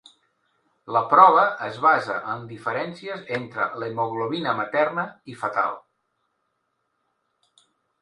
La prova es basa en diferències entre l'hemoglobina materna i fetal.